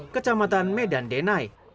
kecamatan medan denai